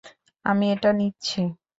আমি এটা নিচ্ছি।